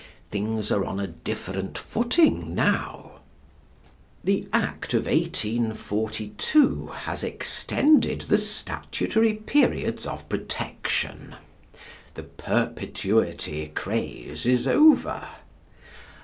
Things are on a different footing now. The Act of 1842 has extended the statutory periods of protection. The perpetuity craze is over.